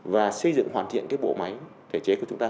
và xây dựng hoàn thiện cái bộ máy thể chế của chúng ta